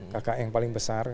kakak yang paling besar